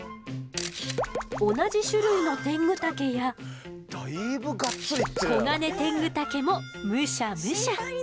同じ種類のテングタケやコガネテングタケもむしゃむしゃ！